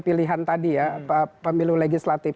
pilihan tadi ya pemilu legislatif